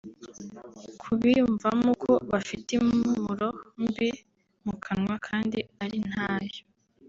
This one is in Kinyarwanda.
Ku biyumvamo ko bafite impumuro mbi mu kanwa kandi ari ntayo